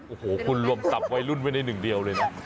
โอ้โหคุณรวมตับวัยรุ่นไว้ในหนึ่งเดียวเลยนะ